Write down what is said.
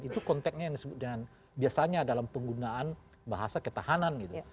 itu konteknya yang disebut dengan biasanya dalam penggunaan bahasa ketahanan gitu